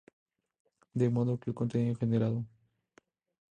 de modo que el contenido generado